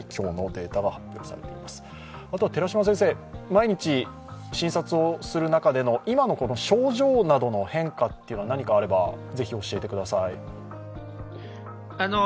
毎日、診察をする中での今の症状などの変化って何かあれば、ぜひ教えてください。